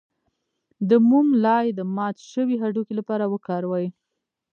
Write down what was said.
د موم لایی د مات شوي هډوکي لپاره وکاروئ